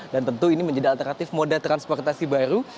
dan tentu ini menjadi alternatif moda transportasi baru